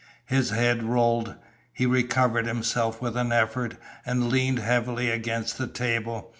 His head rolled. He recovered himself with an effort, and leaned heavily against the table.